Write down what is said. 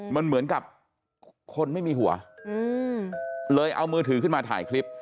มันเหมือนกับคนไม่มีหัวเลยเอามือถือขึ้นมาถ่ายคลิป